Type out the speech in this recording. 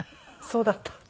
そうだったって。